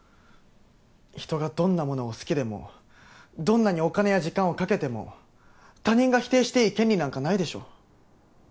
人がどんなものを好きでもどんなにお金や時間をかけても他人が否定していい権利なんかないでしょ！